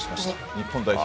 日本代表